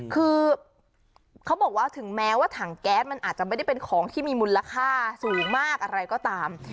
คือเขาบอกว่าถึงแม้ว่าถังแก๊สมันอาจจะไม่ได้เป็นของที่มีมูลค่าสูงมากอะไรก็ตาม